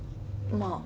まあ。